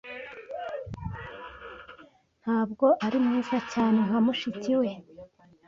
Ntabwo ari mwiza cyane nka mushiki we.